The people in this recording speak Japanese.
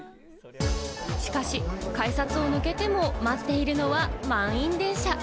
しかし改札を抜けても待っているのは満員電車。